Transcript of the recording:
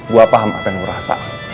gue paham apa yang gue rasa